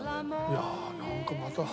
いやなんかまた。